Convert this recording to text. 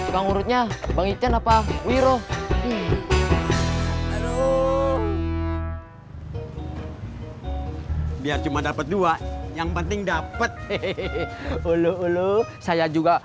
pengurutnya bangiten apa wiro biar cuma dapat dua yang penting dapet hehehe ulu ulu saya juga